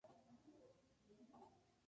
Fue hijo de Bernardo Blanco y María Fuentes.